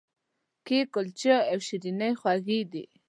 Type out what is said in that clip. کیک، کلچې او شیریني خوږې دي.